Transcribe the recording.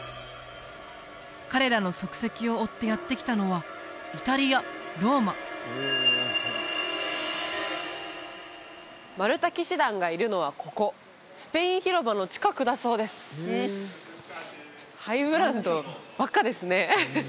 彼らの足跡を追ってやって来たのはイタリアローママルタ騎士団がいるのはここスペイン広場の近くだそうですハイブランドばっかですね